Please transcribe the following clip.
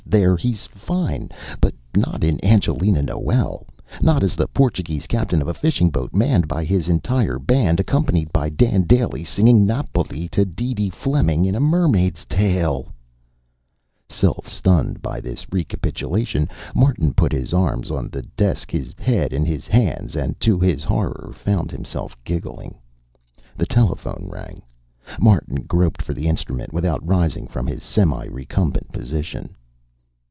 There he's fine. But not in Angelina Noel. Not as the Portuguese captain of a fishing boat manned by his entire band, accompanied by Dan Dailey singing Napoli to DeeDee Fleming in a mermaid's tail " Self stunned by this recapitulation, Martin put his arms on the desk, his head in his hands, and to his horror found himself giggling. The telephone rang. Martin groped for the instrument without rising from his semi recumbent position.